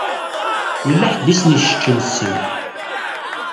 Yella ḥedd i sen-iseččen ssem.